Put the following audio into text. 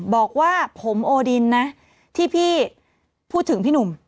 บอกว่าผมโอดินนะที่พี่พูดถึงพี่หนุ่ม